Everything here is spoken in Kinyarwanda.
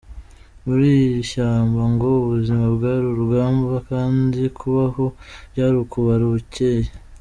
Muri iri shyamba ngo ubuzima bwari urugamba kandi kubaho byari ukubara ubukeye.